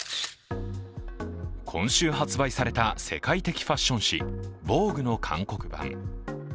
今週発売された世界的ファッション誌、「ＶＯＧＵＥ」の韓国版。